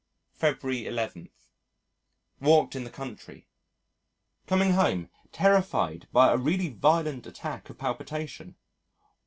February 11. Walked in the country. Coming home, terrified by a really violent attack of palpitation.